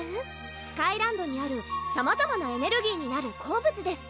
スカイランドにあるさまざまなエネルギーになる鉱物です